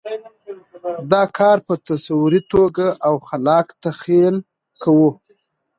دا کار په تصوري توګه او خلاق تخیل کوو.